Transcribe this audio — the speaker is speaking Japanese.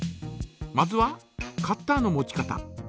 まずはカッターの持ち方。